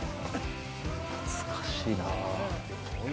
懐かしいなぁ。